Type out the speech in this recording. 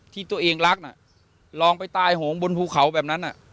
ที่ตัวเองรักน่ะลองไปตายโหงบนภูเขาแบบนั้น